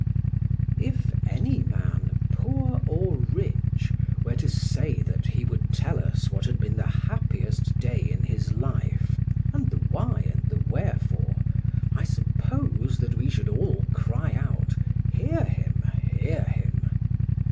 If any man, poor or rich, were to say that he would tell us what had been the happiest day in his life, and the why and the wherefore, I suppose that we should all cry out—Hear him! Hear him!